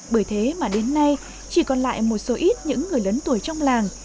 bởi thế mà đến nay chỉ còn lại một số ít những người lớn tuổi trong làng